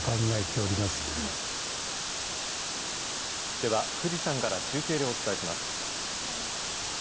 では、富士山から中継でお伝えします。